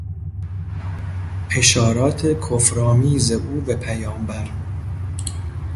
اشارات کفر آمیز او به پیامبر